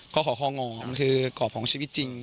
ขอขอคองอมันคือกรอบของชีวิตจริง